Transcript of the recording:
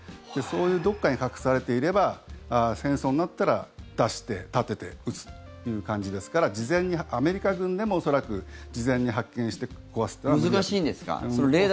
そういうどこかに隠されていれば戦争になったら出して、立てて撃つという感じですからアメリカ軍でも恐らく事前に発見して壊すというのは。